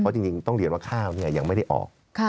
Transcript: เพราะจริงต้องเรียนว่าข้าวเนี่ยยังไม่ได้ออก